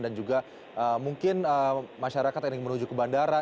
dan juga mungkin masyarakat yang menuju ke bandara